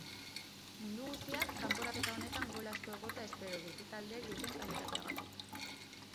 Mundu guztiak kanporaketa honetan gol asko egotea espero du bi taldeek duten kalitateagatik.